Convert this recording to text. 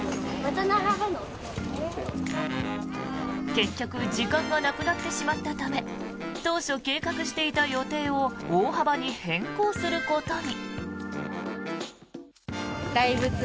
結局時間がなくなってしまったため当初計画していた予定を大幅に変更することに。